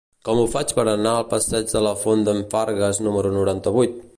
Com ho faig per anar al passeig de la Font d'en Fargues número noranta-vuit?